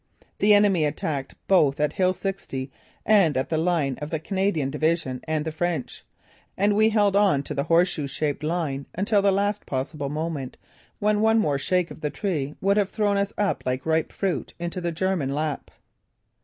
The enemy attacked both at Hill 60 and at the line of the Canadian Division and the French, and we held on to the horse shoe shaped line until the last possible moment when one more shake of the tree would have thrown us like ripe fruit into the German lap.